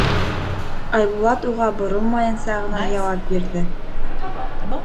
Айбулат уға боролмайынса ғына яуап бирҙе: